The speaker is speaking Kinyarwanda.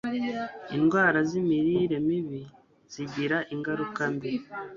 indwara z'imirire mibi zigira ingaruka mbi